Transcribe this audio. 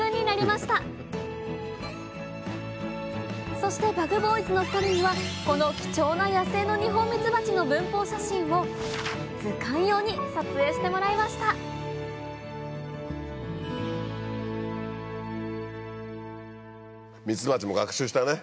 そしてＢｕｇＢｏｙｓの２人にはこの貴重な野生のニホンミツバチの分蜂写真を図鑑用に撮影してもらいましたミツバチも学習したね。